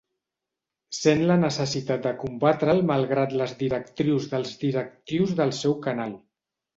Sent la necessitat de combatre'l malgrat les directrius dels directius del seu canal.